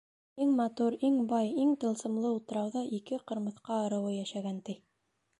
Иң матур, иң бай, иң тылсымлы утрауҙа ике ҡырмыҫҡа ырыуы йәшәгән, ти.